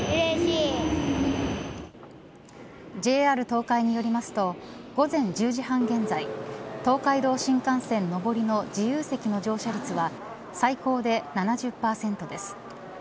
ＪＲ東海によりますと午前１０時半現在東海道新幹線上りの自由席の乗車率は最高で７０％です。